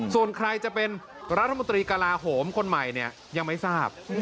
ส่วนใครจะเป็นรัฐมนตรีกระลาโหมคนใหม่เนี่ยยังไม่ทราบ